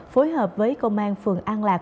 phối hợp với công an phường an lạc